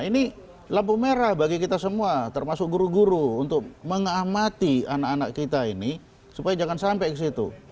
ini lampu merah bagi kita semua termasuk guru guru untuk mengamati anak anak kita ini supaya jangan sampai ke situ